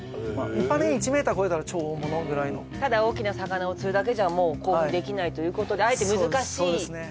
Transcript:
一般的に１ｍ超えたら超大物ぐらいのただ大きな魚を釣るだけじゃもう興奮できないということであえて難しいそうですね